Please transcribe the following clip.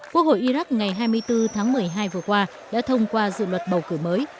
quốc hội iraq ngày hai mươi bốn tháng một mươi hai vừa qua đã thông qua dự luật bầu cử mới